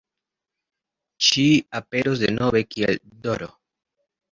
Ŝi aperos denove kiel D-ro.